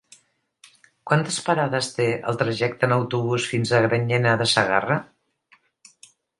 Quantes parades té el trajecte en autobús fins a Granyena de Segarra?